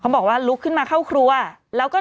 บอกว่าลุกขึ้นมาเข้าครัวแล้วก็